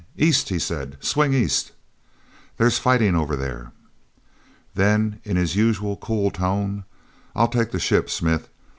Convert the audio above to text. "East," he said. "Swing east. There's fighting over there." Then, in his usual cool tone: "I'll take the ship, Smith.